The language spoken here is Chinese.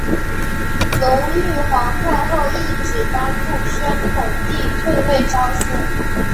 隆裕皇太后懿旨颁布宣统帝退位诏书。